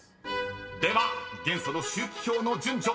［では元素の周期表の順序］